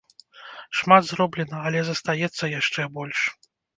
Шмат зроблена, але застаецца яшчэ больш!